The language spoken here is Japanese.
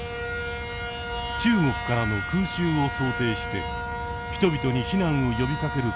中国からの空襲を想定して人々に避難を呼びかける訓練です。